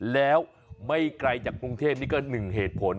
แล้วไม่ไกลจากกรุงเทพนี่ก็หนึ่งเหตุผล